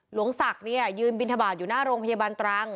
หลวงศักดิ์เนี่ยยืนบินทบาทอยู่หน้าโรงพยาบาลตรัง